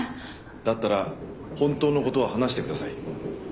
だったら本当の事を話してください。